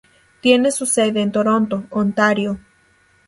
Tiene su sede en Toronto, Ontario.